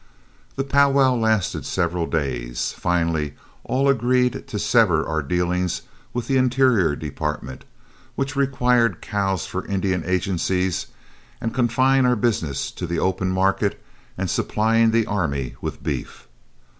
The powwow lasted several days. Finally all agreed to sever our dealings with the Interior Department, which required cows for Indian agencies, and confine our business to the open market and supplying the Army with beef.